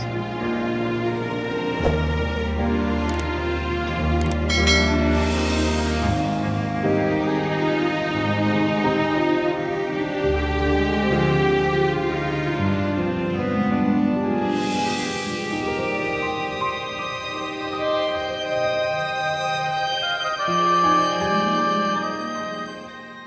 saya completi pergi